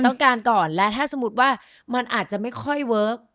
ต้องการก่อนและถ้าสมมุติว่ามันอาจจะไม่ค่อยเวิร์ค